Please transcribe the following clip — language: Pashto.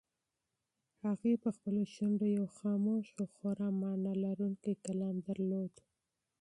هغې په خپلو شونډو یو خاموش خو خورا مانا لرونکی کلام درلود.